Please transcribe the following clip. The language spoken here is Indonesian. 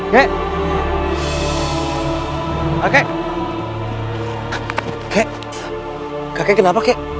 kakek kakek kenapa kek